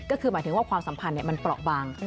ก็คือหมายถึงว่าความสัมพันธ์มันเปราะบาง